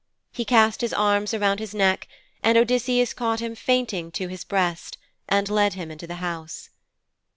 He cast his arms around his neck, and Odysseus caught him fainting to his breast, and led him into the house.